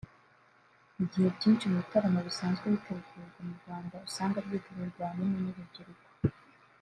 Mu gihe byinshi mu bitaramo bisanzwe bitegurwa mu Rwanda usanga byitabirwa ahanini n’urubyiruko